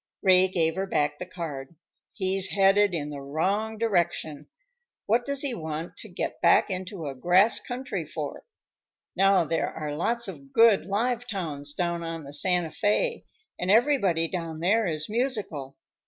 Ray gave her back the card. "He's headed in the wrong direction. What does he want to get back into a grass country for? Now, there are lots of good live towns down on the Santa Fé, and everybody down there is musical.